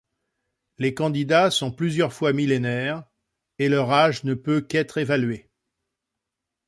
Les candidats sont plusieurs fois millénaires et leur âge ne peut qu’être évalué.